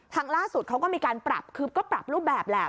ล่าสุดเขาก็มีการปรับคือก็ปรับรูปแบบแหละ